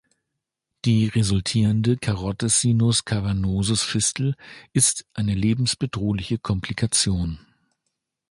Die resultierende Carotis-Sinus-Cavernosus-Fistel ist eine lebensbedrohliche Komplikation.